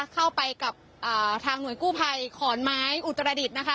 เข้าไปกับทางหน่วยกู้ภัยขอนไม้อุตรดิษฐ์นะคะ